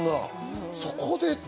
そこで。